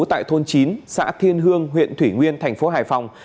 tại thôn chín xã thiên hương huyện thủy nguyên tp hải phòng